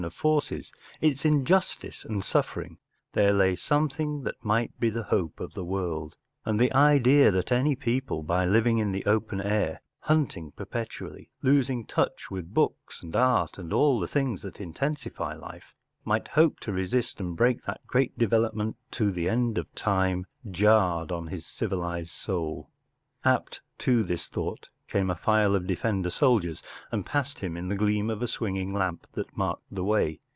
of forces, its injustice and suffering,, there lay something that might be the hope of the world,’" and the idea that any people by living in the open air, hunting perpetually, losing touch with books and art and all the things that intensify life, might hope to resist ftnd break that great development to the end of time, jarred on’ his civilized soul. Apt to his thought came a file of the defender soldiers and passed him in the gleam of a swinging lamp that marked the way.